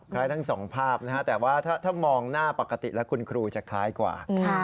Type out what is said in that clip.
ทั้งสองภาพนะฮะแต่ว่าถ้ามองหน้าปกติแล้วคุณครูจะคล้ายกว่า